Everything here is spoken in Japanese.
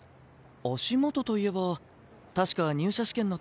足元といえば確か入社試験の時早川さん